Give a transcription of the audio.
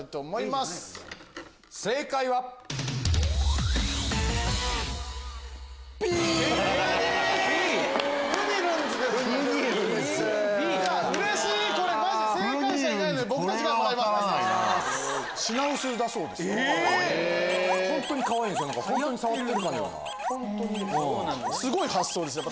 すごい発想ですよね。